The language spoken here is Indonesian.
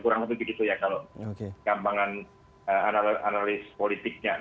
kurang lebih begitu ya kalau gampangan analis politiknya